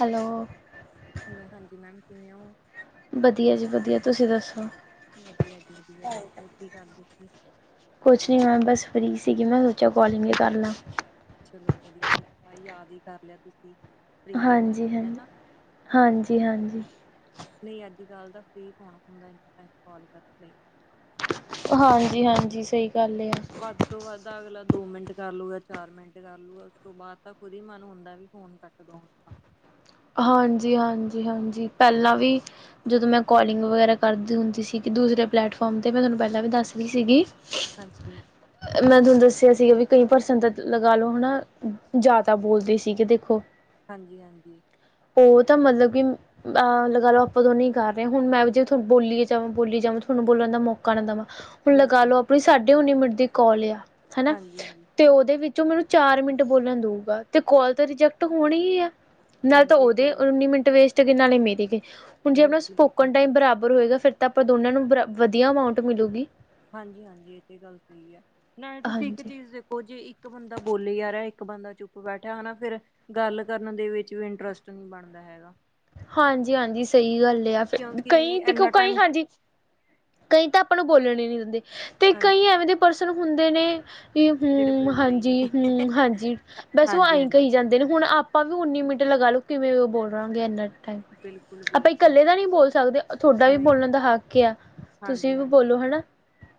Hello. Hello, ਹਾਂਜੀ ma'am ਕਿਵੇਂ ਔ। ਵਧੀਆ ਜੀ ਵਧੀਆ, ਤੁਸੀ ਦੱਸੋ? ਵਧੀਆ ਜੀ ਵਧੀਆ, ਹੋਰ ਕੀ ਕਰਦੇ ਸੀ? ਕੁਛ ਨਹੀਂ ਮੈਮ, ਬਸ ਫ੍ਰੀ ਸੀਗੀ ਮੈਂ ਸੋਚਿਆ ਕੌਲੀਂਗ ਈ ਕਰਲਾਂ। ਚਲੋ, ਵਧੀਆ ਕੀਤਾ ਯਾਦ ਈ ਕਰ ਲਿਆ ਤੁਸੀਂ। ਫ੍ਰਰੀ ਦੇ ਬਹਾਨੇ ਹਾਂਜੀ-ਹਾਂਜੀ, ਹਨਾ ਹਾਂਜੀ-ਹਾਂਜੀ। ਨਹੀਂ, ਅੱਜ-ਕਲ ਤਾਂ ਫ੍ਰੀ ਕੌਣ ਹੁੰਦਾ, ਇਸ ਟਾਇਮ ਕੌਲ ਕਰਨ ਲਈ। ਹਾਂਜੀ-ਹਾਂਜੀ, ਸਹੀ ਗੱਲ ਏ। ਵੱਧ ਤੋਂ ਵੱਧ ਅਗਲਾ ਦੋ ਮਿੰਟ ਕਰ ਲੂਗਾ, ਚਾਰ ਮਿੰਟ ਕਰ ਲੂਗਾ, ਉਸ ਤੋਂ ਬਾਅਦ ਤਾਂ ਖੁਦ ਈ ਮਨ ਹੁੰਦਾ ਵੀ ਫ਼ੋਨ ਕਰ ਦੋਂ ਹਾਂਜੀ-ਹਾਂਜੀ, ਹਾਂਜੀ, ਪਹਿਲਾਂ ਵੀ ਜਦੋਂ ਮੈਂ ਕੌਲਿੰਗ ਵਗੈਰਾ ਕਰਦੀ ਹੁੰਦੀ ਸੀਗੀ, ਦੂਸਰੇ ਪਲੇੈਟਫੌਰਮ 'ਤੇ, ਮੈਂ ਤੁਹਾਨੂੰ ਪਹਿਲਾਂ ਵੀ ਦੱਸਦੀ ਸੀਗੀ। ਹਾਂਜੀ। ਮੈਂ ਤੁਹਾਨੂੰ ਦੱਸਿਆ ਸੀਗਾ ਵੀ ਕਈ ਪਰਸਨ ਤਾਂ ਲਗਾਲੋ ਹਨਾ, ਜ਼ਿਆਦਾ ਬੋਲਦੇ ਸੀਗੇ ਦੇਖੋ। ਹਾਂਜੀ-ਹਾਂਜੀ। ਓਹ ਤਾਂ ਮਤਲਬ ਕਿ ਅਹ ਲਗਾਲੋ ਆਪਾਂ ਦੋਨੇ ਈ ਕਰ ਰਹੇ ਆਂ, ਹੁਣ ਮੈਂ ਵੀ ਜੇ ਬੋਲੀ ਜਾਵਾਂ, ਬੋਲੀ ਜਾਵਾਂ ਥੋਨੂੰ ਬੋਲਣ ਦਾ ਮੌ ਨਾ ਦਵਾਂ, ਹੁਣ ਬਿਲਕੁਲ ਲਗਾਲੋ ਬਿਲਕੁਲ ਆਪਣੀ ਸਾਡੇ ਉਨੀ ਮਿੰਟ ਦੀ ਕੌਲ ਯਾ, ਹਨਾ ਹਾਂਜੀ ਹਾਂਜੀ ਤੇ ਉਹਦੇ ਵਿੱਚੋਂ ਮੈਨੂੰ ਚਾਰ ਮਿੰਟ ਬੋਲਣ ਦੂਗਾ, ਤੇ ਕੌਲ ਤਾਂ ਰਿਜੈਕਟ ਹੋਣੀ ਹੀ ਆ। ਨਾਲ ਤਾਂ ਹਾਂਜੀ ਇਹ ਤੇ ਉਹਦੇ ਗੱਲ ਸਹੀ। ਉੱਨੀ ਮਿੰਟ ਵੇਸਟ ਗਏ, ਨਾਲੇ ਮੇਰੇ ਗਏ, ਹੁਣ ਜੇ ਅਪਣਾ ਬਿਲਕੁਲ ਬਿਲਕੁਲ ਸਪੋਕਨ ਟਾਈਮ ਬਰਾਬਰ ਹੋਏਗਾ ਫਿਰ ਤਾ ਆਪਾਂ ਦੋਨਾਂ ਨੂੰ, ਵਧੀਆ ਅਮਾੰਊਂਟ ਮਿਲੂਗੀ। ਹਾਂਜੀ-ਹਾਂਜੀ, ਇਹ ਤੇ ਗੱਲ ਸਹੀ ਐ, ਨਾਲੇ ਤੁਸੀਂ ਇੱਕ ਹਾਂਜੀ ਚੀਜ਼ ਦੇਖੋ, ਜੇ ਇੱਕ ਇੱਕ ਬੰਦਾ ਬੋਲੀ ਜਾ ਰਿਹਾ, ਇੱਕ ਬੰਦਾ ਚੁੱਪ ਬੈਠਾ, ਹਟਾ ਫੇਰ ਗੱਲ ਕਰਨ ਦੇ ਵਿੱਚ ਵੀ ਇੰਟਰਸਟ ਨਹੀਂ ਬਣਦਾ ਹੈਗਾ। ਹਾਂਜੀ-ਹਾਂਜੀ, ਸਹੀ ਗੱਲ ਏ, ਯਾ ਫਿਰ, ਕਿਉਂਕਿ ਕਈ ਦੇਖੋ, ਇੰਨਾ ਕਈ ਟਾਈਮ ਹਾਂਜੀ ਕਈ ਤਾਂ ਆਪਾਂ ਨੂੰ ਬੋਲਣ ਈ ਨਹੀ ਦਿੰਦੇ, ਤੇ ਕਈ ਹਾਂਜੀ ਐਵੇਂ ਦੇ ਪਰਸਨ ਹੁੰਦੇ ਨੇ ਵੀ ਜਿਹੜੇ ਹੂੰ, ਬੋਲਦੇ ਹੀ ਹਾਂਜੀ, ਨਹੀਂ ਹੂੰ, ਹਾਂਜੀ ਬਸ ਉਹ ਹਾਂਜੀ ਆਂਈਂ ਹਾਂਜੀ ਕਹੀ ਜਾਂ ਹੁਣ ਆਪਾਂ ਵੀ ਉੱਨੀ ਮਿੰਟ ਲਗਾਲੋ, ਕਿਵੇਂ ਉਹ ਬੋਲਾਂਗੇ ਇਨਾ ਬਿਲਕੁਲ ਆਪਾਂ ਬਿਲਕੁਲ ਇਕੱਲੇ ਦਾ ਨਹੀ ਬੋਲ ਸਕਦੇ, ਥੋਡਾ ਵੀ ਨਹੀਂ ਬੋਲਣ ਦਾ ਹੱਕ ਯਾ। ਤੁਸੀਂ ਹਾਂਜੀ ਵੀ ਹਾਂਜੀ ਬੋਲੋ, ਹਣਾ।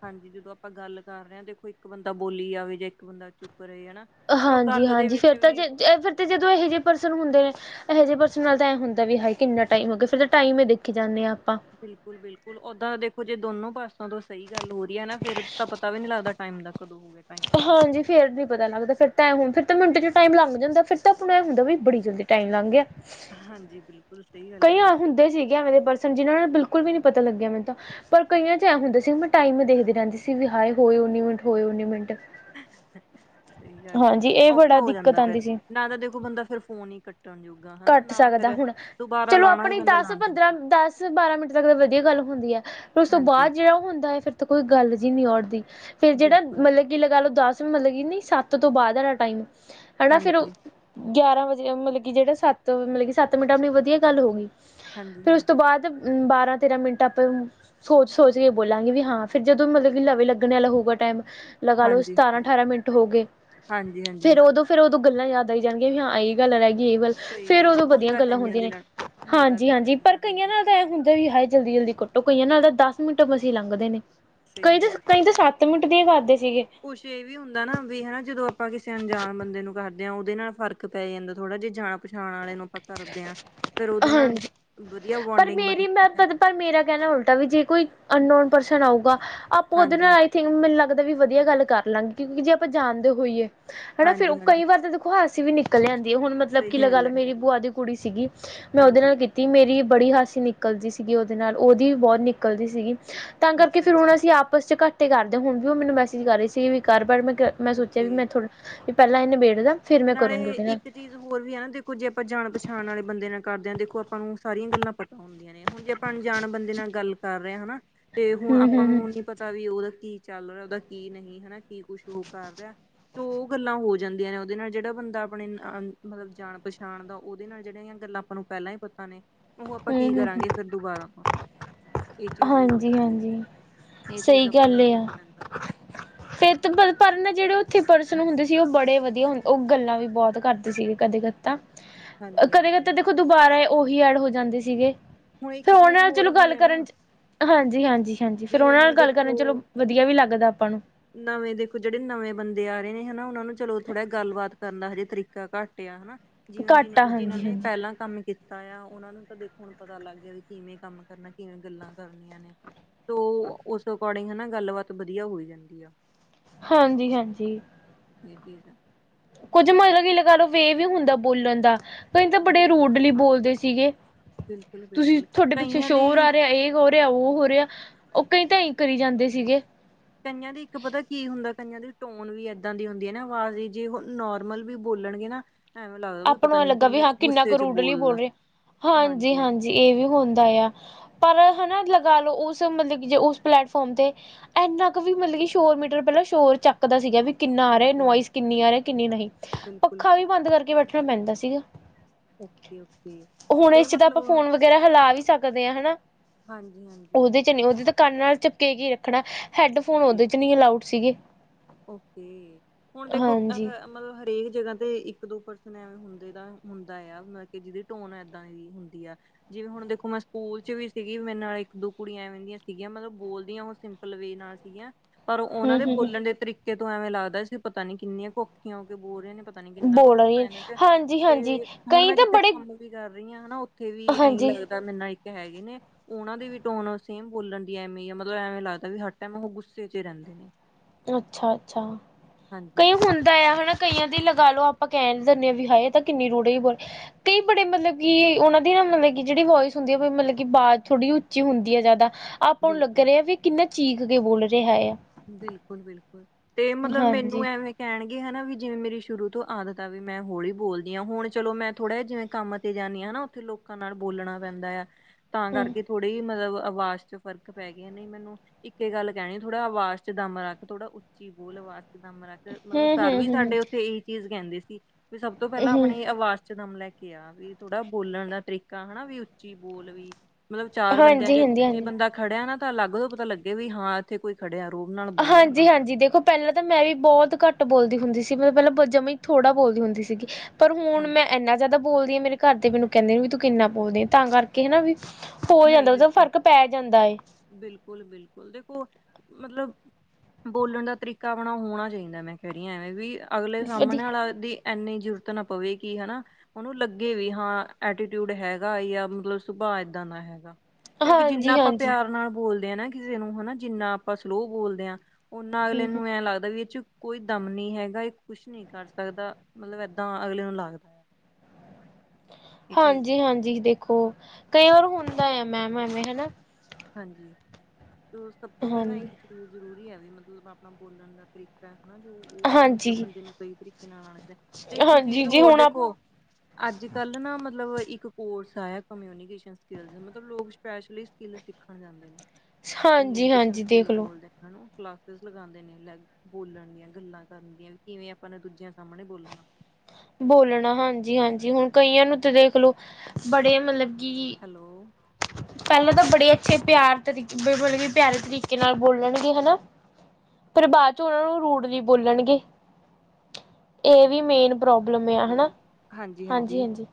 ਹਾਂਜੀ, ਜਦੋਂ ਆਪਾਂ ਗੱਲ ਕਰ ਰਹੇ ਆ, ਦੇਖੋ ਇੱਕ ਬੰਦਾ ਬੋਲੀ ਜਾਵੇ, ਯਾ ਇੱਕ ਬੰਦਾ ਚੁੱਪ ਰਹੇ ਹਨਾ ਫਿਰ ਉਹ ਗੱਲ ਦੇ ਹਾਂਜੀ-ਹਾਂਜੀ, ਵਿੱਚ ਫਿਰ ਤਾਂ ਵੀ ਜੇ, ਫਿਰ ਤੇ ਜਦੋਂ ਇਹੋ ਜਿਹੇ ਪਰਸਨ ਹੁੰਦੇ ਨੇ ਇਹੋ ਜਿਹੇ ਪਰਸਨ ਨਾਲ ਤਾਂ ਐਂ ਹੁੰਦਾ ਵੀ, ਹਾਏ ਕਿੰਨਾ ਟਾਈਮ ਹੋਗਿਆ, ਫਿਰ ਤੇ ਟਾਈਮ ਹੀ ਦੇਖੀ ਜਾਂਨੇ ਆ, ਆਪਾਂ। ਬਿਲਕੁਲ-ਬਿਲਕੁਲ, ਓਦਾਂ ਦੇਖੋ ਜੇ ਦੋਨੋ ਪਾਸਾਂ ਤੋਂ ਸਹੀ ਗੱਲ ਹੋ ਰਹੀ ਐ ਨਾ, ਫੇਰ ਤਾ ਪਤਾ ਵੀ ਨੀ ਲੱਗਦਾ ਟਾਈਮ ਦਾ, ਕਦੋਂ ਹੋਗਿਆ। ਹਾਂਜੀ। ਫੇਰ ਨੀ ਪਤਾ ਲੱਗਦਾ, ਫਿਰ ਹੁਣ ਫਿਰ ਮਿੰਟ'ਚ ਟਾਈਮ ਲੱਗ ਜਾਂਦਾ, ਫਿਰ ਤਾਂ ਆਪਾ ਨੂੰ ਇਹ ਹੁੰਦਾ ਵੀ ਬੜੀ ਜਲਦੀ ਟਾਇਮ ਲੰਗ ਗਿਆ। ਹਾਂਜੀ, ਬਿਲਕੁਲ। ਸਹੀ ਗੱਲ ਕਈ ਹੈ ਜੀ ਹੁੰਦੇ ਸੀਗੇ ਐਂਵੇ ਦੇ ਪਰਸਨ, ਜਿਨਾਂ ਨਾਲ ਬਿਲਕੁਲ ਵੀ ਨੀ ਪਤਾ ਲੱਗਿਆ ਮੈਨੂੰ ਤਾਂ। ਪਰ ਕਈਆਂ'ਚ ਐਂ ਹੁੰਦਾ ਸੀ, ਮੈਂ ਟਾਈਮ ਈ ਦੇਖਦੀ ਰਹਿੰਦੀ ਸੀ, ਵੀ ਹਾਏ ਹੋਏ ਉਨੀ ਮਿੰਟ, ਹੋਏ ਉਨੀ ਮਿੰਟ। ਸਹੀ ਗੱਲ ਐ, ਹਾਂਜੀ ਇਹ ਔਖਾ ਬੜਾ ਹੋ ਦਿੱਕਤ ਜਾਂਦਾ ਫੇਰ, ਆਉਂਦੀ ਸੀ ਨਾ ਤਾਂ ਦੇਖੋ ਬੰਦਾ ਫੇਰ ਫੋਨ ਈ ਕੱਟਣਯੋਗ ਕੱਟ ਸਕਦਾ ਹੁਣ, ਚਲੋ ਹੀ ਆਪਣੀ ਪੈਂਦਾ ਲਾਣ ਦਸ-ਪੰਦਰਾਂ, ਜੋਗਾ। ਦਸ-ਬਾਰਾਂ ਮਿੰਟ ਤੱਕ ਤਾ ਵਧੀਆ ਗੱਲ ਹੁੰਦੀ ਐ। ਉਸ ਤੋਂ ਹਾਂਜੀ ਬਾਅਦ ਜਿਹੜਾ ਉਹ ਹੁੰਦਾ ਏ, ਫੇਰ ਤਾਂ ਕੋਈ ਗੱਲ ਜਿਹੀ ਨਹੀ ਔਡਦੀ, ਫੇਰ ਜਿਹੜਾ ਬਿਲਕੁਲ ਮਤਲਬ ਕਿ ਲਗਾਲੋ, ਦਸ ਮਤਲਬ ਕਿ ਨਹੀਂ ਸੱਤ ਤੋਂ ਬਾਅਦ ਵਾਲਾ ਟਾਈਮ, ਹਣਾ ਫਿਰ ਹਾਂਜੀ ਗਿਆਰਾਂ ਵਜੇ, ਮਤਲਬ ਕਿ ਜਿਹੜਾ ਸੱਤ, ਮਤਲਬ ਕਿ ਸੱਤ ਮਿੰਟ ਅਪਣੀ ਵਧੀਆ ਗੱਲ ਹੋਗੀ। ਹਾਂਜੀ ਹਾਂਜੀ ਫੇਰ ਉਸ ਤੋਂ ਹਾਂਜੀ ਬਾਦ ਬਾਰਾਂ ਤੇਰਾਂ ਮਿੰਟ ਆਪਾਂ ਸੋਚ-ਸੋਚ ਕੇ ਬੋਲਾਂਗੇ ਵੀ ਹਾਂ ਫੇਰ ਜਦੋਂ ਮਤਲਬ ਕਿ ਲਵੇ ਲੱਗਣ ਵਾਲਾ ਹੋਊਗਾ ਟੈਮ ਲਗਾ ਲੋ ਸਤਾਰਾਂ ਹਾਂਜੀ ਅਠਾਰਾਂ ਮਿੰਟ ਹੋ ਗਏ ਹਾਂਜੀ ਹਾਂਜੀ ਫੇਰ ਉਦੋਂ ਫੇਰ ਉਦੋਂ ਗੱਲਾਂ ਯਾਦ ਆਈ ਜਾਨਗੀਆਂ ਵੀ ਹਾਂ ਏ ਗੱਲ ਰੈ ਗਈ ਏ ਗੱਲ ਸਹੀ ਫੇਰ ਗੱਲ ਹੈ ਉਦੋਂ ਵਧੀਆ ਹੁੰਦਾ ਗੱਲਾਂ ਕਈਆਂ ਹੁੰਦੀਆਂ ਦੇ ਨੇ, ਨਾਲ ਹੁੰਦਾ ਕਈਆਂ ਹਾਂਜੀ-ਹਾਂਜੀ ਦੇ ਪਰ ਕਈਆਂ ਇਵੇਂ ਨਾਲ ਤੇ ਐ ਹੁੰਦਾ ਵੀ ਹਏ ਜਲਦੀ-ਜਲਦੀ ਘਟੋ ਕਈਆਂ ਨਾਲ ਤਾਂ ਦਸ ਮਿੰਟ ਮਸੀ ਲੰਘਦੇ ਨੇ, ਕਈ ਸਹੀ ਤਾਂ ਕਈ ਤਾਂ ਸੱਤ ਮਿੰਟ ਦੀ ਕਰਦੇ ਸੀਗੇ। ਕੁੱਛ ਏ ਵੀ ਹੁੰਦਾ ਨਾ ਵੀ ਹਨਾ ਜਦੋਂ ਆਪਾਂ ਕਿਸੇ ਅਨਜਾਨ ਬੰਦੇ ਨੂੰ ਕਰਦੇ ਆਂ ਉਦੇ ਨਾਲ ਫ਼ਰਕ ਪੈ ਜਾਂਦਾ ਥੋੜ੍ਹਾ ਜੇ ਜਾਨ ਪਛਾਣ ਵਾਲੇ ਨੂੰ ਆਪਾਂ ਕਰਦੇ ਆਂ, ਫੇਰ ਉਦੇ ਨਾਲ ਹਾਂਜੀ ਵਧੀਆ ਪਰ ਬੋਂਡਿੰਗ ਬਨੀ ਮੇਰੀ ਮੈਂ ਹੁੰਦੀ ਆ। ਪਰ ਮੇਰਾ ਕੈਨਾ ਉਲਟਾ ਵੀ ਜੇ ਕੋਈ ਅਨਨੋਨ ਪਰਸਨ ਆਊਗਾ ਆਪਾਂ ਉਦੇ ਹਾਂਜੀ ਨਾਲ ਮੈਨੂੰ ਲੱਗਦਾ ਵੀ ਵਧੀਆ ਗੱਲ ਕਰ ਲਾਂਗੇ ਕਿਉਂਕਿ ਜੇ ਆਪਾਂ ਜਾਨਦੇ ਹੋਈਏ, ਹਨਾ ਫੇਰ ਹਾਂਜੀ-ਹਾਂਜੀ, ਕਈ ਵਾਰ ਤੇ ਦੇਖੋ ਹਸੀ ਵੀ ਨਿਕਲ ਜਾਂਦੀਏ ਹੁਨ, ਮਤਲਬ ਸਹੀ ਕੀ ਲਗਾ ਗੱਲ ਲੋ ਐ, ਮੇਰੀ ਬੂਆ ਦੀ ਕੁੜੀ ਸੀਗੀ ਮੈਂ ਉਦੇ ਨਾਲ ਹਾਂਜੀ, ਕੀਤੀ ਤ ਮੇਰੀ ਬੜੀ ਹਸੀ ਨਿਕਲਦੀ ਸੀਗੀ ਉਦੇ ਨਾਲ ਉਦੀ ਵੀ ਬੋਤ ਨਿਕਲਦੀ ਸੀਗੀ। ਤਾਂ ਕਰਕੇ ਫੇਰ ਹੁਨ ਅੱਛਾ-ਅੱਛਾ ਅਸੀਂ ਆਪਸ 'ਚ ਘੱਟੇ ਕਰਦੇ ਹਾਂ ਹੁਨ ਵੀ ਉ ਮੈਨੂੰ ਮੈਸੇਜ ਕਰ ਰਈ ਸੀ ਵੀ ਕਰ ਮੈਂ ਕ ਮੈਂ ਸੋਚਿਆ ਵੀ ਓਕੇ। ਮੈਂ ਥੋੜਾ ਪੈਲਾਂ ਐ ਨਬੇੜਦਾ। ਨਾਲੇ ਇੱਕ ਚੀਜ਼ ਹੋਰ ਵੀ ਏ ਨਾ ਦੇਖੋ ਜੇ ਆਪਾਂ ਜਾਨ ਪਛਾਨ ਵਾਲੇ ਬੰਦੇ ਨਾਲ ਕਰਦੇ ਆਂ, ਦੇਖੋ ਆਪਾਂ ਨੂੰ ਸਾਰੀਆਂ ਗੱਲਾਂ ਪਤਾ ਹੁੰਦੀਆਂ। ਨੇ ਹੁਨ ਜੇ ਆਪਾਂ ਅਨਜਾਨ ਬੰਦੇ ਨਾਲ ਗੱਲ ਕਰ ਰਏ ਹਨਾ ਤੇ ਹੁਣ ਹਮ ਆਪਾਂ ਹਮ ਨੂੰ ਨੀ ਪ ਤਾ ਵੀ ਉਦਾ ਕੀ ਚੱਲ ਰਿਆ ਉਦਾ ਕੀ ਨਹੀਂ ਹਨਾ ਕੀ ਕੁਛ ਉ ਕਰ ਰਿਆ ਦੋ ਗੱਲਾਂ ਹੋ ਜਾਂਦੀਆਂ ਨੇ ਉਦੇ ਨਾਲ। ਜੇੜਾ ਬੰਦਾ ਆਪਣੇ ਮਤਲਬ ਜਾਣ ਪਛਾਣ ਦਾ ਉਦੇ ਨਾਲ ਜੇੜੀਆਂ ਗੱਲਾਂ ਆਪਾਂ ਨੂੰ ਪੈਲਾਂ ਈ ਪਤਾ ਨੇ ਉ ਹਮ ਆਪਾਂ ਕੀ ਹਮ ਹਮ ਕਰਾਂਗੇ ਫੇਰ ਦੁਬਾਰਾ ਤੋਂ ਹਨਾ। ਏ ਚੀਜ਼ ਵੀ ਹੋ ਹਾਂਜੀ ਜਾਂਦੀ ਏ, ਹਾਂਜੀ ਏ ਚੀਜ਼ ਸਹੀ ਦਾ ਬੋਤ ਜਾਦਾ ਫ਼ਰਕ ਪੈਂਦਾ। ਫੇਰ ਪਰ ਨਾ ਜੇੜੇ ਉੱਥੇ ਪਰਸਨ ਹੁੰਦੇ ਸੀ ਉ ਬੜੇ ਵਧੀਆ ਹੁੰਦੇ ਸੀ ਉ ਗੱਲਾਂ ਵੀ ਬੋਤ ਕਰਦੇ ਸੀਗੇ ਕਦੇ-ਕਦੇ ਤਾਂ ਹਾਂਜੀ-ਹਾਂਜੀ। ਕਦੇ-ਕਦੇ ਦੇਖੋ ਦੁਬਾਰਾ ਉਹੀ ਐਡ ਹੋ ਜਾਂਦੇ ਸੀਗੇ। ਹੁਣ ਫੇਰ ਇੱਕ ਉਨਾਂ ਚੀਜ਼ ਨਾਲ ਹੋਰ ਚਲੋ ਵੀ ਗੱਲ ਹੈ ਕਰਨ ਨਾ ਚ ਹਾਂਜੀ ਹਾਂਜੀ ਹਾਂਜੀ, ਫੇਰ ਜਿਵੇਂ ਉਨਾਂ ਨਾਲ ਹੁਣ ਗੱਲ ਦੇਖੋ ਕਰਨ ਚ ਚਲੋ ਵਧੀਆ ਵੀ ਲੱਗਦਾ ਆਪਾਂ ਨੂੰ। ਨਵੇਂ ਦੇਖੋ ਜੇੜੇ ਨਵੇਂ ਬੰਦੇ ਆ ਰਏ ਨੇ ਹਨਾ ਉਨਾਂ ਨੂੰ ਚਲੋ ਥੋੜਾ ਗੱਲਬਾਤ ਕਰਨ ਦਾ ਹਜੇ ਤਰੀਕਾ ਘੱਟ ਆ ਹਨਾ। ਜਿਵੇਂ ਜਿ ਘੱਟ ਆ ਜਿਨ੍ਹਾਂ ਹਾਂਜੀ ਨੇ ਹਾਂਜੀ ਪੈਲਾਂ ਕੰਮ ਕੀਤਾ ਆ, ਉਨਾਂ ਨੂੰ ਤਾਂ ਦੇਖੋ ਹੁਨ ਪਤਾ ਲੱਗ ਗਿਆ ਵੀ ਕਿਵੇਂ ਕੰਮ ਕਰਨਾ ਕਿਵੇਂ ਗੱਲਾਂ ਕਰਨੀਆਂ ਨੇ ਤੋ ਉਸ ਅਕੋਰਡਿੰਗ ਹਨਾ ਗੱਲਬਾਤ ਵਧੀਆ ਹੋਈ ਜਾਂਦੀ ਆ। ਹਾਂਜੀ-ਹਾਂਜੀ। ਏ ਚੀਜ਼ ਆ। ਕੁੱਝ ਮਤਲਬ ਕਿ ਏ ਲਗਾਲੋ ਵੇ ਵੀ ਹੁੰਦਾ ਬੋਲਨ ਦਾ ਕਈ ਤਾਂ ਬੜੇ ਬਿਲਕੁਲ ਰੂਡਲੀ ਬੋਲਦੇ ਸੀਗੇ, ਬਿਲਕੁਲ ਤੁਸੀਂ ਬਿਲਕੁਲ ਤੁਹਾਡੇ ਪਿੱਛੇ ਕਈਆਂ ਸ਼ੋਰ ਦੀ ਆ ਰੇਆ ਏ ਹੋ ਹੋ ਰੇਆ ਉ ਹੋ ਰੇਆ ਉ ਕਈ ਤਾਂ ਈ ਕਰੀ ਜਾਂਦੇ ਸੀਗੇ। ਕਈਆਂ ਦੇ ਇੱਕ ਪਤਾ ਕੀ ਹੁੰਦਾ ਕਈਆਂ ਦੀ ਟੋਨ ਵੀ ਏਦਾਂ ਦੀ ਹੁੰਦੀ ਏ ਨਾ ਆਵਾਜ਼ ਜੇ ਹੁਨ ਨੋ ਰਮਲ ਵੀ ਬੋਲਣਗੇ ਨਾ ਐਵੇਂ ਲੱਗਦਾ ਵੀ ਆਪਾਂ ਪਤਾ ਨੂੰ ਐ ਨੀ ਲੱਗਾ ਵੀ ਕਿੰਨੇ ਹਾਂ ਕੁ ਕਿੰਨਾ ਗੁੱਸੇ ਚ ਬੋਲਦਾ, ਹਾਂਜੀ ਹਾਂਜੀ। ਜੇ ਏ ਵੀ ਹੁੰਦਾ ਆ, ਪਰ ਹਨਾ ਲਗਾ ਲੋ ਉਸ ਮਤਲਬ ਕਿ ਉਸ ਪਲੇੈਟਫੋਮ ਤੇ ਏਨਾ ਕੁ ਵੀ ਮਤਲਬ ਕਿ ਸ਼ੋਰ ਮੀਟਰ ਪੈਲਾਂ ਸ਼ੋਰ ਚੱਕਦਾ ਸੀਗਾ ਵੀ ਕਿੰਨਾ ਆ ਰੇਆ ਹਾਂਜੀ ਹਾਂਜੀ ਨੋਇਸ ਕਿੰਨੀ ਆ ਰਆ ਕਿੰਨੀ ਨਈ ਬਿਲਕੁਲ ਪੱਖਾ ਵੀ ਬੰਦ ਕਰਕੇ ਬੈਠਨਾ ਪੈਂਦਾ ਸੀਗਾ। ਓਕੇ ਓਕੇ ਹੁਨ ਤੇ ਇਸ ਚ ਤਾਂ ਆਪਾਂ ਮਤਲਬ ਫੋਨ ਵਗੈਰਾ ਹਿਲਾ ਵੀ ਸਕਦੇ ਆਂ ਹਨਾ। ਹਾਂਜੀ-ਹਾਂਜੀ। ਉਦੇ ਤਾਂ ਕੰਨ ਨਾਲ ਚਿਪਕੇ ਕੀ ਰੱਖਣਾ ਹੈਡਫੋਨ ਤੇ ੳਦੇ ਚ ਨੀ ਅਲਾਊਡ ਸੀਗੇ। ਓਕੇ, ਹੁਣ ਦੇਖੋ ਹਾਂਜੀ ਅ ਮਤਲਬ ਹਰੇਕ ਜਗ੍ਹਾ ਤੇ ਇੱਕ ਦੋ ਪਰਸਨ ਐਵੇਂ ਹੁੰਦੇ ਦਾ ਹੁੰਦਾ ਆ ਮਤਲਬ ਕਿ ਜਿਹਦੀ ਟੋਨ ਏਦਾਂ ਦੀ ਹੁੰਦੀ ਆ ਜਿਵੇਂ ਹੁਣ ਦੇਖੋ ਮੈਂ ਸਕੂਲ ਚ ਵੀ ਸੀਗੀ ਮੇਰੇ ਨਾਲ ਇੱਕ ਦੋ ਕੁੜੀਆਂ ਐਵੇਂ ਦੀਆਂ ਸੀਗੀਆਂ ਮਤਲਬ ਬੋਲਦੀਆਂ ਉਹ ਸਿੰਪਲ ਵੇ ਨਾਲ ਸੀਗੀਆਂ। ਪਰ ਉਹਨਾਂ ਹਮ ਦੇ ਹਮ ਬੋਲਣ ਦੇ ਤਰੀਕੇ ਤੋਂ ਐਵੇਂ ਲੱਗਦਾ ਸੀ ਪਤਾ ਨੀ ਕਿੰਨੀਆਂ ਕੁ ਔਖੀਆਂ ਹੋ ਕੇ ਬੋਲ ਰੀਆ ਨੇ। ਪਤਾ ਨੀ ਹਮ ਕਿੰਨਾ ਕੁ ਬੋਲ ਗੁੱਸਾ ਰਹੀ ਇਹਨਾਂ ਚ, ਹਾਂਜੀ ਹਾਂਜੀ ਤੇ ਹੁਣ ਕਈ ਮੈਂ ਤਾਂ ਜਿੱਥੇ ਬੜੇ ਕੰਮ ਵੀ ਕਰ ਰੀ ਆ ਹਨਾ ਉੱਥੇ ਵੀ ਇਹੀ ਹਾਂਜੀ ਲੱਗਦਾ ਮੈਨਾ ਇੱਕ ਹੈਗੇ ਨੇ ਉਹਨਾਂ ਦੇ ਵੀ ਟੋਨ ਸੇਮ ਬੋਲਣ ਦੀ ਐਵੇਂ ਮਤਲਬ ਐਵੇਂ ਲੱਗਦਾ ਵੀ ਹੱਟ ਐ ਉਹ ਗੁੱਸੇ ਚ ਰਹਿੰਦੇ ਨੇ। ਅੱਛਾ-ਅੱਛਾ, ਕਈ ਹਾਂਜੀ। ਹੁੰਦ ਐ ਆ ਹੁਣ ਕਈਆਂ ਦੀ ਲਗਾ ਲਓ ਆਪਾਂ ਕਹਿ ਨੀ ਦਿੰਨੇ ਆ ਵੀ ਹਾਏ ਤਾਂ ਕਿੰਨੀ ਰੂਡਲੀ ਬੋਲ ਕਈ ਬੜੇ ਮਤਲਬ ਕਿ ਉਹਨਾਂ ਦੀ ਨਾ ਮਤਲਬ ਕਿ ਜਿਹੜੀ ਵੋਇਸ ਹੁੰਦੀ ਆ ਮਤਲਬ ਕਿ ਆਵਾਜ਼ ਥੋੜ੍ਹੀ ਉੱਚੀ ਹੁੰਦੀ ਐ ਜ਼ਿਆਦਾ ਆਪਾਂ ਨੂੰ ਲੱਗਾ ਬਿਲਕੁਲ, ਰਿਹਾ ਵੀ ਕਿੰਨਾ ਚੀਖ ਕੇ ਬੋਲ ਰਿਹਾ ਆ। ਬਿਲਕੁਲ ਬਿਲਕੁਲ, ਤੇ ਮਤਲਬ ਮੈਨੂੰ ਹਾਂਜੀ ਐਵੇਂ ਕਹਿਣਗੇ ਹਨਾ ਵੀ ਜਿਵੇਂ ਮੇਰੀ ਸ਼ੁਰੂ ਤੋਂ ਆਦਤ ਆ ਵੀ ਮੈਂ ਹੌਲੀ ਬੋਲਦੀ ਆ ਹੁਣ ਚਲੋ ਮੈਂ ਥੋੜ੍ਹਾ ਜਿਹਾ ਜਿਵੇ ਕੰਮ ਤੇ ਜਾਨੀ ਆ ਨਾ ਉੱਥੇ ਲੋਕਾਂ ਨਾਲ ਬੋਲਣਾ ਪੈਂਦਾ ਆ ਤਾਂ ਹਮ ਕਰਕੇ ਥੋੜ੍ਹੀ ਮਤਲਬ ਆਵਾਜ਼ ਚ ਫ਼ਰਕ ਪੈ ਗਿਆ ਨਹੀ ਮੈਨੂੰ ਇੱਕੇ ਗੱਲ ਕਹਿਣੀ ਥੋੜਾ ਆਵਾਜ਼ ਦਮ ਰੱਖ ਥੋੜ੍ਹਾ ਉੱਚੀ ਬੋਲ ਵਾਸਤੇ ਦਮ ਰੱਖ ਮਤਲਬ ਹਮ ਸਰ ਵੀ ਹਮ ਹਮ ਸਾਡੇ ਉੱਥੇ ਚੀਜ਼ ਕਹਿੰਦੇ ਸੀ, ਵੀ ਸਭ ਤੋਂ ਪਹਿਲਾਂ ਹਮ ਆਪਣੇ ਆਵਾਜ਼ ਚ ਦਮ ਲੈ ਕੇ ਕਿਹਾ ਵੀ ਥੋੜਾ ਬੋਲਣ ਦਾ ਤਰੀਕਾ ਹਨਾ ਵੀ ਉੱਚੀ ਬੋਲ ਵੀ। ਮਤਲਬ ਚਾਰ ਬੰਦਿਆਂ ਹਾਂਜੀ ਚ ਹਾਂਜੀ ਜੇ ਹਾਂਜੀ ਬੰਦਾ ਖੜਿਆ ਨਾ ਤਾਂ ਅਲੱਗ ਪਤਾ ਲੱਗੇ ਵੀ ਹਾਂ ਇੱਥੇ ਕੋਈ ਖੜਿਆ। ਰੋਬ ਨਾਲ ਬੋਲਣ ਹਾਂਜੀ-ਹਾਂਜੀ ਦੇਖੋ ਪਹਿਲਾਂ ਤਾਂ ਮੈਂ ਵੀ ਬਹੁਤ ਘੱਟ ਬੋਲਦੀ ਹੁੰਦੀ ਸੀ ਮਤਲਬ ਪਹਿਲਾਂ ਜਮਾ ਈ ਥੋੜ੍ਹਾ ਬੋਲਦੀ ਹੁੰਦੀ ਸੀਗੀ ਪਰ ਹੁਣ ਹਾਂਜੀ ਮੈਂ ਇੰਨਾ ਜ਼ਿਆਦਾ ਬੋਲਦੀ ਆ, ਮੇਰੇ ਘਰ ਤੇ ਮੈਨੂੰ ਕਹਿੰਦੇ ਵੀ ਤੂੰ ਕਿੰਨਾ ਬੋਲਦੀ ਆ ਤਾਂ ਕਰਕੇ ਹਨਾ ਵੀ। ਹੋ ਜਾਂਦਾ ਉਹਦਾ ਫ਼ਰਕ ਪੈ ਜਾਂਦਾ ਐ। ਬਿਲਕੁਲ-ਬਿਲਕੁਲ ਦੇਖੋ, ਮਤਲਬ। ਬੋਲਣ ਦਾ ਤਰੀਕਾ ਆਪਣਾ ਹੋਣਾ ਚਾਹੀਦਾ ਮੈਂ ਕਹਿ ਰੀ ਆ ਐਵੇਂ ਵੀ ਅਗਲੇ ਸਾਹਮਣੇ ਵਧੀਆ ਵਾਲਾ ਵੀ। ਇੰਨੀ ਜ਼ਰੂਰਤ ਨਾ ਪਵੇ ਕਿ ਹਨਾ। ਉਹਨੂੰ ਲੱਗੇ ਵੀ ਹਾਂ ਐਟੀਟਿਊਡ ਹੈਗਾ ਜਾਂ ਮਤਲਬ ਸੁਭਾਅ। ਏਦਾਂ ਦਾ ਹੈਗਾ, ਕਿਉਂਕਿ ਜਿੰਨਾ ਹਾਂਜੀ ਆਪਾਂ ਹਾਂਜੀ ਪਿਆਰ ਨਾਲ ਬੋਲਦੇ ਆ ਨਾ। ਕਿਸੇ ਨੂੰ ਹਨਾ ਜਿੰਨਾ ਆਪਾਂ ਸਲੋਅ ਬੋਲਦੇ ਆ, ਉਨਾ ਅਗਲੇ ਹੂੰ ਹੂੰ ਨੂੰ ਐਂ ਲੱਗਦਾ ਵੀ ਇਹ ਚ ਕੋਈ ਦਮ ਨੀ ਹੈਗਾ ਇਹ ਕੁਛ ਨੀ ਕਰ ਸਕਦਾ, ਮਤਲਬ ਏਦਾਂ ਅਗਲੇ ਨੂੰ ਲੱਗਦਾ। [inaudible] ਇਹ ਚੀਜ਼ ਹੈ ਹਾਂਜੀ-ਹਾਂਜੀ ਦੇਖੋ, ਕਈ ਵਾਰ ਹੁੰਦਾ ਆ ਮੈਮ ਐਵੇਂ ਹਨਾ। ਹਾਂਜੀ, ਸਭ ਤੋਂ ਪਹਿਲਾਂ ਹਾਂਜੀ ਇਹੀ ਚੀਜ਼ ਜ਼ਰੂਰੀ ਐ ਵੀ ਮਤਲਬ ਆਪਣਾ ਬੋਲਣ ਦਾ ਤਰੀਕਾ। ਹਨਾ ਜੋ ਉਹ ਮਤਲਬ ਹਾਂਜੀ ਬੰਦੇ ਨੂੰ ਸਹੀ ਤਰੀਕੇ ਨਾਲ ਆਣਾ ਚਾਹੀਦਾ ਤੇ ਇੱਕ ਹਾਂਜੀ ਚੀਜ਼ ਜੀ ਹੋਰ ਹੁਣ ਆਪ ਦੇਖੋ। ਅੱਜ-ਕੱਲ੍ਹ ਨਾ ਮਤਲਬ ਇੱਕ ਕੋਰਸ ਆਇਆ ਕਮਿਊਨੀਕੇਸ਼ਨ ਸਕੀਲ ਮਤਲਬ ਲੋਕ ਸਪੈਸ਼ਲੀ ਸਕੀਲ ਖਣ ਜਾਂਦੇ ਨੇ, ਹਾਂਜੀ ਕਮਿਊਨੀਕੇਸ਼ਨ ਹਾਂਜੀ ਸਕਿਨ ਦੇਖਲੋ ਬੋਲਦਾ। ਹਨਾ ਕਲਾਸਿਸ ਲਗਾਉਂਦੇ ਨੇ ਲੈ ਬੋਲਣ ਦੀਆਂ ਗੱਲਾਂ ਕਰਨ ਦੀਆਂ ਵੀ ਕਿਵੇਂ ਆਪਾਂ ਨੇ ਦੂਜਿਆਂ ਸਾਹਮਣੇ ਬੋਲਣਾ। ਬੋਲਣਾ ਹਾਂਜੀ-ਹਾਂਜੀ ਹੁਣ ਕਈਆਂ ਨੂੰ ਤਾਂ ਦੇਖ ਲਓ ਬੜੇ ਮਤਲਬ। ਕਿ ਹੈਲੋ। ਪਹਿਲਾਂ ਤਾਂ ਬੜੇ ਅੱਛੇ ਪਿਆਰ ਤਰੀਕੇ ਮਤਲਬ ਕਿ ਪਿਆਰੇ ਤਰੀਕੇ ਨਾਲ ਬੋਲਣਗੇ ਹਨਾ। ਪਰ ਬਾਅਦ ਚ ਉਹਨਾਂ ਨੂੰ ਰੂੜਲੀ ਬੋਲਣਗੇ ਇਹ ਵੀ ਮੇਨ। ਪ੍ਰੋਬਲਮ ਆ ਹਨਾ ਹੈਲੋ ਹਾਂਜੀ ਹਾਂਜੀ ਹਾਂਜੀ-ਹਾਂਜੀ।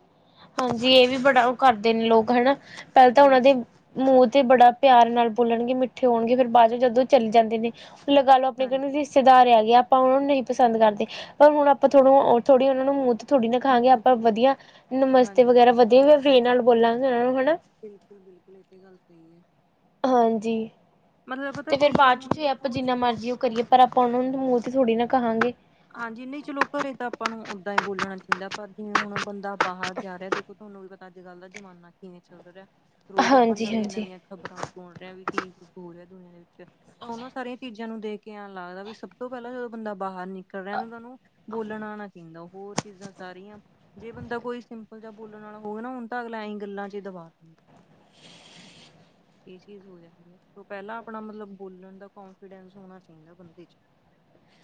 ਹਾਂਜੀ ਇਹ ਵੀ ਬੜਾ ਉਹ ਕਰਦੇ ਨੇ ਲੋਕ ਹਨਾ ਪਹਿਲਾਂ ਤਾਂ ਉਹਨਾਂ ਦੇ ਬਿਲਕੁਲ ਮੂੰਹ ਤੇ ਬੜਾ ਪਿਆਰ ਨਾਲ ਬੋਲਣਗੇ ਮਿੱਠੇ ਹੋਣਗੇ ਫੇਰ ਬਾਅਦ ਚੋਂ ਜਦੋਂ ਚਲੇ ਜਾਂਦੇ ਨੇ। ਲਗਾ ਲੋ ਆਪਣੇ ਹਾਂਜੀ ਜਿਸ ਸਿਧਾਰਿਆ ਗਯਾ ਆਪਾਂ ਓਨਾਂ ਨੂੰ ਨਈਂ ਪਸੰਦ ਕਰਦੇ ਪਰ ਹੁਣ, ਆਪਾਂ ਥੋੜ੍ਹੀ-ਥੋੜ੍ਹੀ ਓਨਾਂ ਨੂੰ ਮੂੰਹ ਥੋੜੀ ਨਾ ਖਾਗੇ, ਮੂੰਹ ਆਪਾਂ ਤੇ ਨੀ ਵਧੀਆ ਨਮਸਤੇ ਹਾਂਜੀ ਵਗੈਰਾ ਹਾਂਜੀ ਵਧੀਆ ਵ ਨਾਲ ਬੋਲਾਂਗੇ ਓਨਾਂ ਨੂੰ, ਹੈਂਨਾ। ਬਿਲਕੁਲ-ਬਿਲਕੁਲ, ਐ ਤੇ ਗੱਲ ਸਈ ਐ। ਹਾਂਜੀ, ਤੇ ਫੇਰ ਕੀ ਹੈ ਬਾਦ ਚ ਹੁਣ ਫੇਰ ਆਪਾਂ ਦੇਖੋ ਜਿੰਨਾ ਜਿਵੇਂ ਮਰਜ਼ੀ ਓ ਕਰੀਏ ਪਰ ਆਪਾਂ ਓਨਾਂ ਮੂੰਹ ਤੇ ਥੋੜ੍ਹੀ ਨਾ ਕਹਾਂਗੇ। ਹਾਂਜੀ, ਨਈਂ ਚਲੋ ਘਰੇ ਤਾਂ ਆਪਾਂ ਨੂੰ ਓਦਾਂ ਹੀ ਬੋਲਣਾ ਚਾਹੀਦਾ, ਪਰ ਜਿਵੇਂ ਹੁਣ ਬੰਦਾ ਬਾਹਰ ਜਾ ਰਿਹਾ ਤੇ ਤੁਆਨੂੰ ਵੀ ਪਤਾ ਅੱਜ-ਕੱਲ ਦਾ ਜਮਾਨਾ ਕਿਵੇਂ ਚੱਲ ਰੇਆ ਰੋਜ਼ ਆਪਾਂ ਹਾਂਜੀ ਹਾਂਜੀ ਨਵੀਆਂ-ਨਵੀਆਂ ਖਬਰਾਂ ਸੁਣਣੇ ਆ ਵੀ ਕੀ ਕੁੱਛ ਹੋ ਰੇਆ, ਦੁਨੀਆਂ ਦੇ ਵਿੱਚ। ਤਾਂ ਓਨਾਂ ਸਾਰੀਆਂ ਚੀਜ਼ਾਂ ਨੂੰ ਦੇਖ ਕੇ ਐਂ ਲੱਗਦਾ ਵੀ ਸਭ ਤੋਂ ਪੈਲਾਂ ਜਦੋਂ ਬੰਦਾ ਬਾਹਰ ਨਿਕਲੇ ਨੂੰ ਤੁਆਨੂੰ ਬੋਲਣਾ ਆਣਾ ਚਾਈਦਾ, ਹੋਰ ਚੀਜ਼ਾਂ ਸਾਰੀਆਂ, ਜੇ ਬੰਦਾ ਕੋਈ ਸਿੰਪਲ ਜਾਂ ਬੋਲਣ ਵਾਲਾ ਹੋਵੇ ਨਾ ਓਨੂੰ ਤਾਂ ਅਗਲਾ ਐਸੀਂ ਗੱਲਾਂ ਚ ਦਬਾ ਦਿੰਦਾ। ਏ ਚੀਜ ਹੋ ਜਾਂਦੀ ਐ ਸੋ ਪੈਲਾਂ ਆਪਣਾ ਮਤਲਬ ਬੋਲਣ ਦਾ ਕੋਂਨਫੀਡੈਂਸ ਹੋਣਾ ਚਾਈਦਾ ਬੰਦੇ ਚ।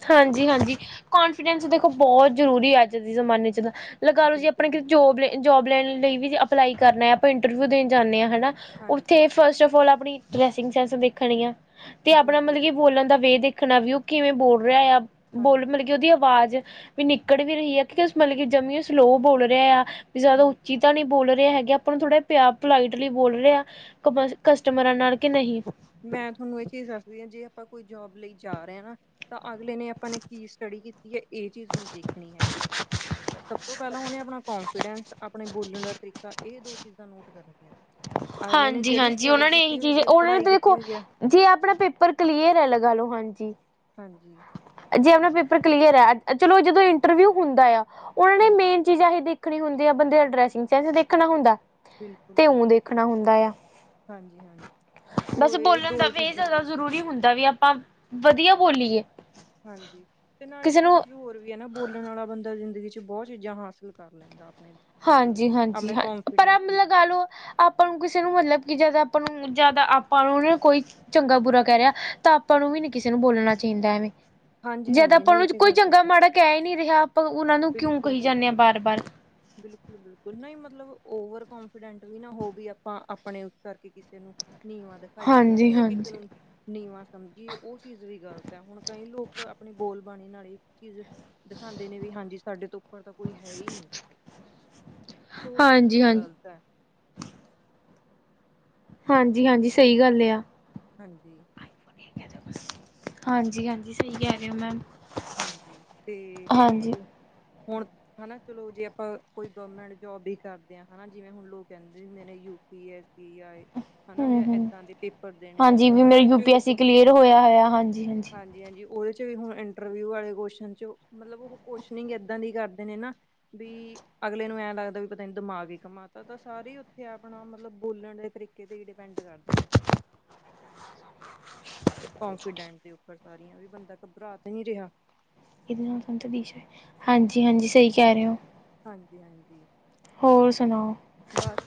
ਹਾਂਜੀ-ਹਾਂਜੀ, ਕਨਫੀਡੈਂਸ ਦੇਖੋ ਬੋਤ ਜ਼ਰੂਰੀ ਐ ਅੱਜ ਦੇ ਜ਼ਮਾਨੇ ਚ ਤਾਂ। ਲਗਾ ਲਓ ਜੀ ਆਪਾ ਬਿਲਕੁਲ ਕਿਤੇ ਬਿਲਕੁਲ ਜੋਬ ਲੈ ਜੋਬ ਲੈਣ ਲਈ ਵੀ ਅਪਲਾਈ ਕਰਨਾ ਏ, ਆਪਾਂ ਇੰਟਰਵਿਊ ਦੇਣ ਜਾਂਨੇ ਆਂ, ਹੈਨਾ। ਹਾਂਜੀ, ਓਥੇ ਫਸਟ ਆਫ ਆਲ ਆਪਣੀ ਡਰੈਸਿੰਗ ਸੈਂਸ ਦੇਖਣੀ ਆ, ਤੇ ਆਪਣਾ ਮਤਲਬ ਜੀ-ਜੀ, ਕਿ ਬੋਲਣ ਦਾ ਵੇ ਦੇਖ ਦੇਖਣਾ ਵੀ ਓ ਕਿਵੇਂ ਬੋਲ ਰੇਯਾ ਆ ਹਾਂਜੀ, ਬੋਲ ਮਤਲਬ ਕਿ ਓਦੀ ਆਵਾਜ਼ ਵੀ ਨਿਕਲ ਵੀ ਰਹੀ ਆ ਕਿਉ ਮਤਲਬ ਕਿ ਜਮੀ ਸਲੋ ਬੋਲ ਰਿਹਾ ਆ ਵੀ ਜਾਦਾ ਹਾਂਜੀ ਉੱਚੀ ਤਾਂ ਨਈ ਬੋਲ ਰੇਯਾ ਹੈਗਾ। ਆਪ ਥੋੜਾ ਪਿਆ ਪੋਲਾਈਟਲੀ ਬੋਲ ਰਿਹਾ ਕ ਕਸਟਮਰਾਂ ਨਾਲ, ਕਿ ਨਹੀਂ। ਮੈਂ ਥੋਨੂੰ ਏ ਚੀਜ ਦੱਸਦੀ ਆਂ ਜੇ ਆਪਾਂ ਕੋਈ ਜੋਬ ਲਈ ਜਾ ਰੇਹਾਂ ਤਾਂ ਅਗਲੇ ਨੇ ਆਪਾਂ ਨੇ ਕੀ ਸਟੱਡੀ ਕੀਤੀ ਐ, ਏ ਚੀਜ ਨਈਂ ਦੇਖਣੀ ਹੈਗੀ। ਸਭ ਤੋਂ ਪੈਲਾਂ ਓਨੇ ਆਪਣਾ ਕੋਂਨਫੀਡੈਂਸ ਅਪਣੇ ਬੋਲਣ ਦਾ ਤਰੀਕਾ, ਏ ਦੋ ਚੀਜਾਂ ਨੋਟ ਕਰਨੀ ਆ। [inaudible] ਹਾਂਜੀ-ਹਾਂਜੀ, ਓਨਾਂ ਨੇ ਏਹੀ ਚੀਜ ਓਨਾਂ ਨੇ ਪੜ੍ਹਾਈ ਤਾਂ ਕੀਤੀ ਦੇਖੋ ਹੋਈ ਹੈ ਜੀ ਅਪਣਾ ਪੇਪਰ ਕਲੀਅਰ ਐ, ਲਗਾ ਲੋ, ਹਾਂਜੀ। ਹਾਂਜੀ। ਜੇ ਅਪਣਾ ਪੇਪਰ ਕਲੀਅਰ ਆ ਚਲੋ, ਜਦੋ ਇੰਟਰਵਿਊ ਹੁੰਦਾ ਯਾ ਓਨਾਂਨੇ ਹਾਂਜੀ ਮੇਨ ਚੀਜ਼ਾਂ ਹੀ ਦੇਖਣੀ ਹੁੰਦੀ ਆ, ਬੰਦੇ ਦਾ ਡਰੈਸਿੰਗ ਸੈਂਸ ਦੇਖਣਾ ਹੁੰਦਾ, ਤੇ ਬਿਲਕੁਲ-ਬਿਲਕੁਲ ਊਂ ਦੇਖਣਾ ਹੁੰਦਾ ਆ। ਹਾਂਜੀ-ਹਾਂਜੀ। ਬਸ, ਤੋ ਇਹ ਬੋਲਣ ਦਾ ਦੋ ਵੇਯ ਚੀਜ਼ਾਂ ਜਾਦਾ ਤਾਂ ਜਰੂਰੀ ਹੁੰਦਾ ਵੀ ਆਪਾਂ ਵਧੀਆ ਬੋਲੀਏ। ਹਾਂਜੀ, ਤੇ ਨਾਲ ਕਿਸੇ ਇੱਕ ਨੂੰ ਚੀਜ਼ ਹੋਰ ਵੀ ਵੀ ਐਨਾ ਬੋਲਣ ਵਾਲਾ ਬੰਦਾ ਜ਼ਿੰਦਗੀ ਚ ਬੋਤ ਚੀਜ਼ਾਂ ਹਾਸਿਲ ਕਰ ਲੈਂਦਾ ਅਪਣੇ। ਹਾਂਜੀ-ਹਾਂਜੀ, ਹਾਂ ਪਰ ਅਪ ਲਗਾ ਤੇ ਲਓ ਆਪਾਂ ਨੂੰ ਕਿਸੇ ਨੂੰ ਮਤਲਬ ਕਿ ਜਾਦਾ ਆਪਾਂ ਨੂੰ ਜਾਦਾ ਆਪਾਂ ਨੂੰ ਓਨਾਂ ਕੋਈ ਚੰਗਾ-ਬੁਰਾ ਕੈ ਰੇਯਾ ਤਾਂ ਆਪਾਂ ਨੂੰ ਵੀ ਨਈਂ ਕਿਸੇ ਨੂੰ ਬੋਲਣਾ ਚਾਈਦਾ ਐਵੇਂ। ਜਦ ਹਾਂਜੀ-ਹਾਂਜੀ ਆਪਾਂ ਨਹੀਂ ਨੂੰ ਚ ਤੇ ਕੋਈ ਗੱਲ ਸਹੀ ਚੰਗਾ ਹੈ ਮਾੜਾ ਕੈ ਹੀ ਨਈਂ ਰੇਯਾ, ਆਪਾਂ ਓਨਾਂ ਨੂੰ ਕਿਉਂ ਕਹੀ ਜਾਂਦੇ ਹਾਂ ਬਿਲਕੁਲ-ਬਿਲਕੁਲ, ਬਾਰ-ਬਾਰ। ਬਿਲਕੁਲ-ਬਿਲਕੁਲ, ਨਈਂ ਮਤਲਬ ਓਵਰ ਕੋਨਫੀਡੈਂਟ ਵੀ ਨਾ ਹੋਵੇ ਆਪਾਂ ਆਪਣੇ ਉਸ ਕਰਕੇ ਕਿਸੇ ਨੂੰ ਨੀਵਾਂ ਦਿਖਾਈਏ ਹੈਂਨਾ, ਜੇ ਕਿਸੇ ਹਾਂਜੀ-ਹਾਂਜੀ। ਨੂੰ ਨੀਵਾਂ ਸਮਝੀਏ ਓ ਚੀਜ ਵੀ ਗਲਤ ਐ ਹੁਣ ਕਈ ਲੋਕ ਅਪਣੀ ਬੋਲਬਾਣੀ ਨਾਲ ਚੀਜ ਦਿਖਾਂਦੇ ਨੇ ਵੀ, ਹਾਂਜੀ ਸਾਡੇ ਤੋਂ ਉੱਪਰ ਤਾਂ ਕੋਈ ਹੈ ਈ ਨੀਂ, ਓ ਚੀਜ ਵੀ ਹਾਂਜੀ-ਹਾਂਜੀ। ਗਲਤੈ। ਹਾਂਜੀ-ਹਾਂਜੀ, ਸਈ ਗੱਲ ਯਾ। ਹਾਂਜੀ। ਹਾਂਜੀ-ਹਾਂਜੀ, ਸਈ ਕੈ ਰੇਓ ਮੈਮ। ਹਾਂਜੀ, ਤੇ ਹਾਂਜੀ ਮਤਲਬ ਹੋਣ ਹੈਨਾ ਚਲੋ, ਜੇ ਆਪਾਂ ਕੋਈ ਗੋਮੈਂਟ ਜੋਬ ਵੀ ਕਰਦੇ ਆਂ ਹੈਨਾ ਜਿਵੇਂ ਹੁਣ ਲੋਕ ਕੈਦੇ ਨੇ ਯੂਪੀਐਸ ਕੀ ਆਏ ਹਨਾ ਜਾਂ ਹੂੰ-ਹੂੰ ਐਦਾਂ ਦੇ ਪੇਪਰ ਦੇਣੇ ਨੇ ਹਾਂਜੀ ਉਨਾਂ ਦੇ ਮੇਰਾ ਯੂ ਵਿੱਚ ਵੀ ਪੀ ਐਸ ਸੀ ਦੇਖੋ ਕਲੀਅਰ ਹੋਇਆ ਹੋਇਆ ਹਾਂਜੀ-ਹਾਂਜੀ। ਹਾਂ ਜੀ ਹਾਂਜੀ ਓਦੇ ਚ ਵੀ ਹੁਣ ਇੰਟਰਵਿਊ ਵਾਲੇ ਕੋਸਨ ਚੋ ਮਤਲਬ ਓ ਕੋਸ਼ਨਿੰਗ ਐਦਾਂ ਦੀ ਕਰਦੇ ਨੇ ਨਾ ਬੀ ਅਗਲੇ ਨੂੰ ਐਂ ਲੱਗਦਾ ਵੀ ਪਤਾ ਨੀ ਦਿਮਾਗ ਈ ਕਮਾਤਾ ਤਾਂ ਸਾਰੇ ਈ ਉੱਥੇ ਆਪਣਾ ਮਤਲਬ ਬੋਲਣ ਦੇ ਤਰੀਕੇ ਤੇ ਈ ਡਿਪੈਂਡ ਕਰ ਨੇ ਏ ਚੀਜ਼ਾਂ। ਕੋਂਫੀਡੈਂਟ ਦੇ ਉੱਪਰ ਸਾਰੀਆਂ ਵੀ ਬੰਦਾ ਘਬਰਾ ਤਾਂ ਨੀ ਰਿਹਾ। ਹਾਂਜੀ-ਹਾਂਜੀ ਸਈ ਕੈ ਰੈ ਓ। ਹਾਂਜੀ-ਹਾਂਜੀ ਹੋਰ ਸੁਣਾਓ?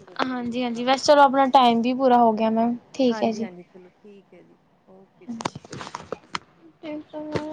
ਵਧੀਆ ਜੀ ਹੋਰ ਤਾਂ ਹਾਂਜੀ-ਹਾਂਜੀ ਬਸ ਚਲੋ ਆਪਣਾ ਟਾਈਮ ਵੀ ਪੂਰਾ ਹੋ ਗਿਆ ਮੈਮ ਠੀਕ ਐ ਹਾਂਜੀ ਜੀ। ਹਾਂਜੀ ਚਲੋ ਠੀਕ ਏ ਜੀ ਓ [inaudible]